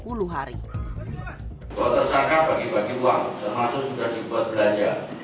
kalau tersangka bagi bagi uang termasuk sudah dibuat belanja